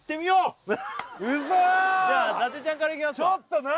じゃあ伊達ちゃんからいきますかちょっと何？